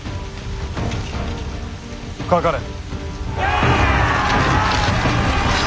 かかれ。